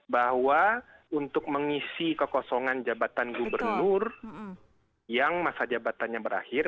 bahwa untuk mengisi kekosongan jabatan gubernur yang masa jabatannya berakhir